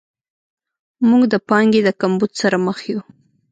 موږ د پانګې د کمبود سره مخ یو.